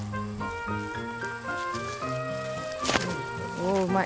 おおうまい。